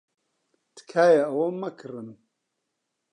تکایە ئەوە مەکڕن.